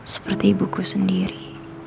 seperti ibuku sendiri